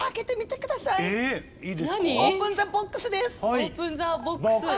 オープンザボックスです！